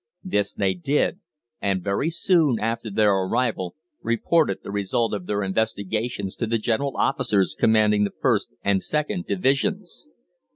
This they did, and very soon after their arrival reported the result of their investigations to the general officers commanding the 1st and 2nd Divisions.